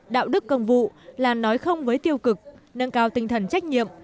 đạo đức công vụ là nói không với tiêu cực nâng cao tinh thần trách nhiệm